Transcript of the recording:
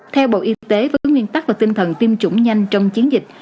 theo bộ y tế với nguyên tắc và tinh thần tiêm chủng nhanh trong chiến dịch